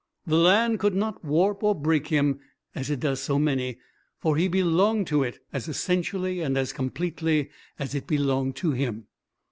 The land could not warp or break him, as it does so many, for he belonged to it as essentially and as completely as it belonged to him.